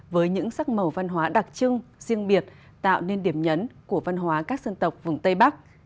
với những sắc màu văn hóa đặc trưng riêng biệt tạo nên điểm nhấn của văn hóa các dân tộc vùng tây bắc